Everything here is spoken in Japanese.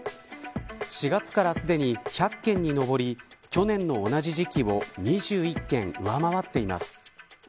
４月からすでに１００件に上り去年の同じ時期を２１件、上回っています。